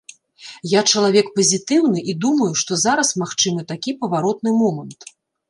Я чалавек пазітыўны і думаю, што зараз магчымы такі паваротны момант.